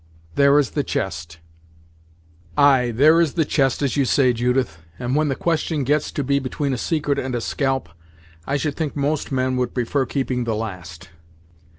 There is the chest." "Ay, there is the chest as you say, Judith, and when the question gets to be between a secret and a scalp, I should think most men would prefer keeping the last.